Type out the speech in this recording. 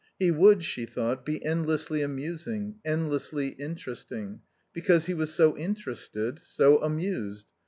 He would, she thought, be endlessly amusing, endlessly interesting, because he was so interested, so amused.